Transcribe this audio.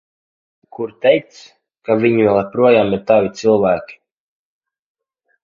Kur teikts, ka viņi vēl joprojām ir tavi cilvēki?